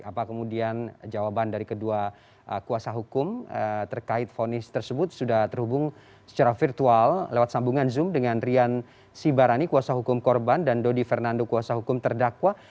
apa kemudian jawaban dari kedua kuasa hukum terkait fonis tersebut sudah terhubung secara virtual lewat sambungan zoom dengan rian sibarani kuasa hukum korban dan dodi fernando kuasa hukum terdakwa